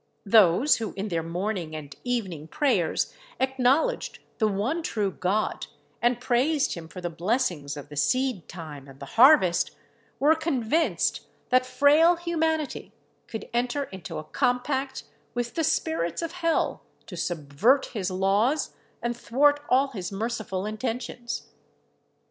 Those who in their morning and evening prayers acknowledged the one true God, and praised him for the blessings of the seed time and the harvest, were convinced that frail humanity could enter into a compact with the spirits of hell to subvert his laws and thwart all his merciful intentions.